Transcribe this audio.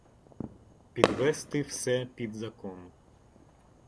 Підвести все під закон!